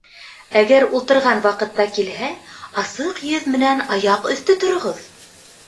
Әгәр ултырған ваҡытта килһә, асыҡ йөҙ менән аяҡ өҫтө тороғоҙ!